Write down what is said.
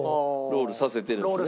ロールさせてる。